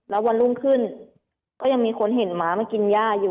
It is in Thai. แล้ววันรุ่งขึ้นก็ยังมีคนเห็นหมามากินย่าอยู่